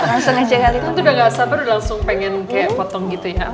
kan udah gak sabar udah langsung pengen kayak potong gitu ya